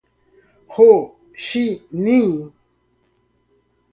Ho Chi Minh